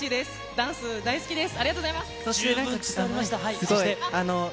ダンス大好きです。